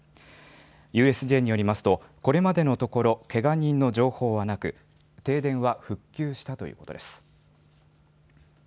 ＵＳＪによりますと、これまでのところけが人の情報はなく停電は復旧したということです。